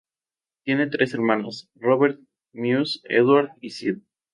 Tiene tres hermanos: Robert Muse, Edward y Sid.